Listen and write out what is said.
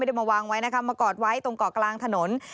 ได้มาวางไว้นะคะมากอดไว้ตรงเกาะกลางถนน